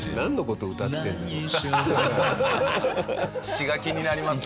詞が気になりますね。